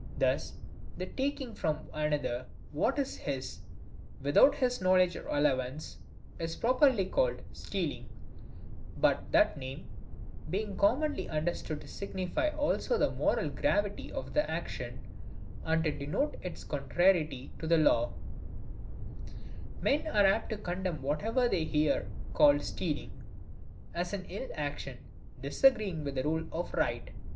Thus, the taking from another what is his, without his knowledge or allowance, is properly called STEALING: but that name, being commonly understood to signify also the moral gravity of the action, and to denote its contrariety to the law, men are apt to condemn whatever they hear called stealing, as an ill action, disagreeing with the rule of right.